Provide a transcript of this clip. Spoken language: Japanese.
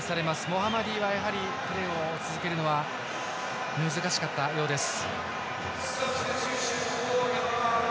モハマディはやはり、プレーを続けるのは難しかったようです。